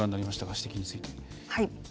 指摘について。